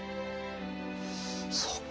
そうか。